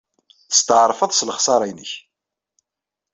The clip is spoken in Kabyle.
Testeɛṛfeḍ s lexṣara-nnek.